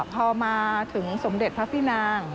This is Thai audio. พอมาถึงสมเด็จพระพี่นาง